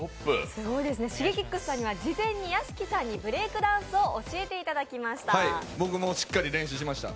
Ｓｈｉｇｅｋｉｘさんには事前に屋敷さんにブレイクダンスを教えてもらいました。